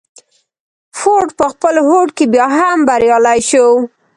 فورډ په خپل هوډ کې بيا هم بريالی شو.